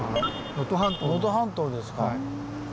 能登半島ですか。